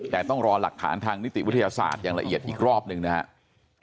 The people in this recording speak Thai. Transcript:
แต่ต้องรอหลักฐานทางนิติวิทยาศาสตร์อย่างละเอียดอีกรอบหนึ่งนะครับ